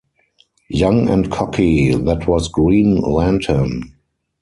Young and cocky, that was Green Lantern.